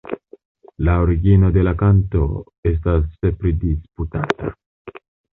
La origino de la kanto estas pridisputata.